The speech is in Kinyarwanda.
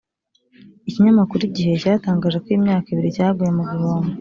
ikinyamakuru igihe cyatangaje ko iyi myaka ibiri cyaguye mu gihombo